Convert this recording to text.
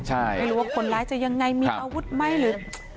ไม่รู้ว่าคนร้ายจะยังไงมีอาวุธไหมหรือ